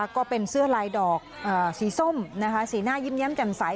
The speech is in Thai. ก็เป็นเสื้อลายดอกสีส้มสีหน้ายิ้มแย้มแจ่มใส